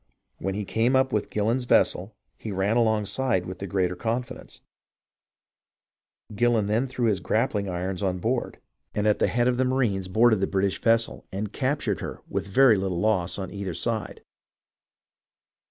When he came up with Gillon's vessel, he ran alongside with the greatest confidence. Gillon then threw his grap pling irons on board and at the head of his marines boarded 352 HISTORY OF THE AMERICAN REVOLUTION the British vessel, and captured her with very Uttle loss on either side.